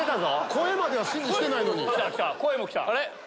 声までは指示してないのに。